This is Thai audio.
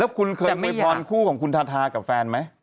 คุณเคยอวยพรคู่ของคุณทาทากับแฟนไหม